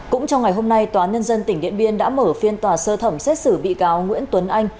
cũng trong ngày hôm nay tòa án nhân dân tỉnh điện biên đã mở phiên tòa sơ thẩm xét xử bị cáo nguyễn tuấn anh